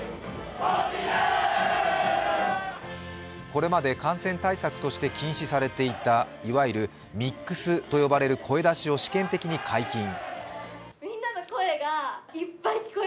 これまで感染対策として禁止されていたいわゆるミックスと呼ばれる声出しを試験的に解禁。